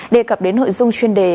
đề cập đến hội dung chuyên đề